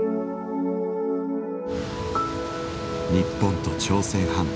日本と朝鮮半島。